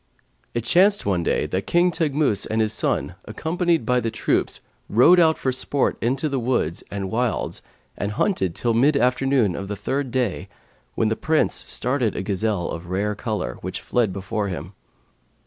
It chanced one day that King Teghmus and his son accompanied by the troops rode out for sport into the woods and wilds and hunted till mid afternoon of the third day, when the Prince started a gazelle of a rare colour, which fled before him.